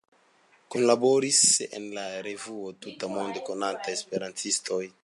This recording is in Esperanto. Kunlaboris en la revuo tutmonde konataj esperantistoj.